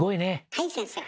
はい先生。